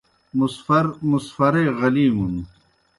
مُسفر مُسفرے غلیمُن